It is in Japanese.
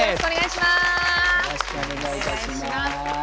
よろしくお願いします。